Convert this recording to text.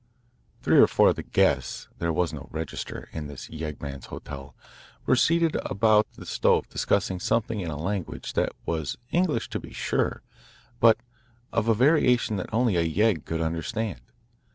Three or four of the "guests " there was no "register" in this yeggman's hotel were seated about the stove discussing something in a language that was English, to be sure, but of a variation that only a yegg could understand.